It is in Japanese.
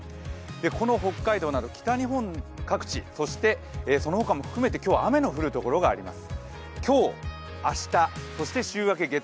この北海道など北日本各地、そしてそのほかも含めて今日は雨の降る所があります。